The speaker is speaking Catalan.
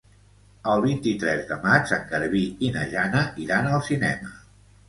El vint-i-tres de maig en Garbí i na Jana iran al cinema.